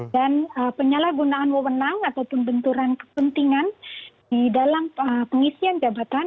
dan penyalahgunaan wawenang ataupun benturan kepentingan di dalam pengisian jabatan